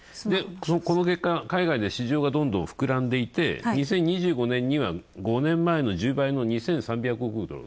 この結果、海外で市場がどんどん膨らんでいて、２０２５年には５年前の１０倍の２３００億ドル。